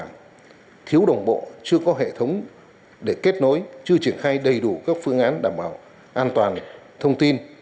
thứ hai là thiếu đồng bộ chưa có hệ thống để kết nối chưa triển khai đầy đủ các phương án đảm bảo an toàn thông tin